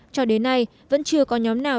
cho đến nay vẫn chưa có nhóm nào